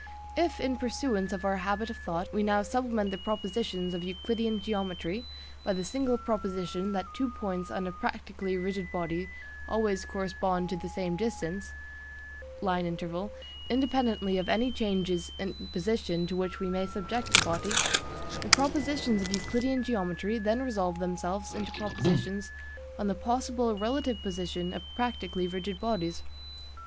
If, in pursuance of our habit of thought, we now supplement the propositions of Euclidean geometry by the single proposition that two points on a practically rigid body always correspond to the same distance (line interval), independently of any changes in position to which we may subject the body, the propositions of Euclidean geometry then resolve themselves into propositions on the possible relative position of practically rigid bodies.